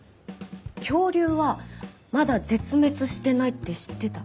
恐竜はまだ絶滅してないって知ってた？